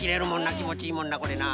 きもちいいもんなこれな。